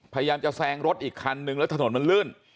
พยายามจะแซงรถอีกคันนึงแล้วถนนมันลื่น